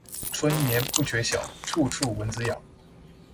春眠不覺曉，處處蚊子咬